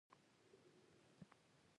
خو دا خیال میلیونونه انسانان یو موټی ساتي.